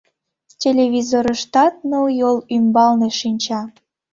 Телевизорыштат ныл йол ӱмбалне шинча.